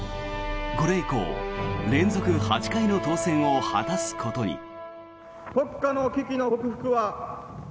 これ以降連続８回の当選を果たすことに。